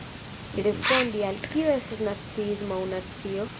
Respondi al "Kio estas naciismo aŭ nacio?